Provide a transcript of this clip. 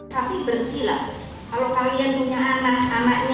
tapi berarti lah kalau kawinan punya anak anak ini